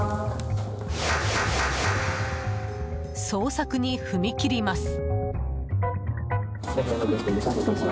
捜索に踏み切ります。